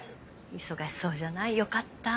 忙しそうじゃない？よかった。